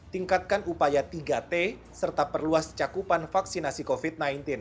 tingkatkan upaya tiga t serta perluas cakupan vaksinasi covid sembilan belas